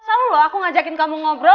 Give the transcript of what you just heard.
selalu loh aku ngajakin kamu ngobrol